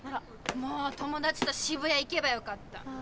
友達と渋谷行けばよかった。